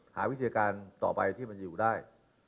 หาวิธีการต่อไปที่มันอยู่ได้